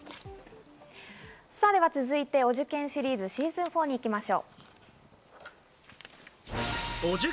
さぁでは続いて、お受験シリーズ・シーズン４に行きましょう。